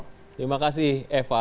terima kasih eva